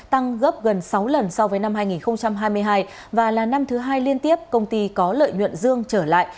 tăng gấp gần sáu lần so với năm hai nghìn hai mươi hai và là năm thứ hai liên tiếp công ty có lợi nhuận dương trở lại